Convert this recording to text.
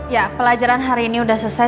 ya pelajaran hari ini sudah selesai